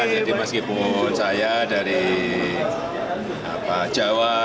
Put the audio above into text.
jadi meskipun saya dari jawa